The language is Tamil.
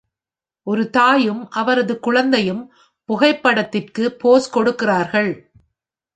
ஒரு தாயும் அவரது குழந்தையும் புகைப்படத்திற்கு போஸ் கொடுக்கிறார்கள்